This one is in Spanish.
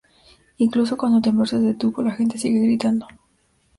Incluso cuando el temblor se detuvo, la gente seguía gritando".